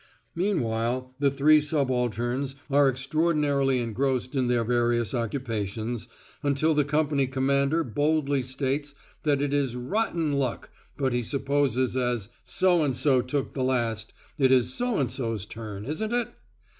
Meanwhile the three subalterns are extraordinarily engrossed in their various occupations, until the company commander boldly states that it is "rotten luck, but he supposes as So and so took the last, it is So and so's turn, isn't it?"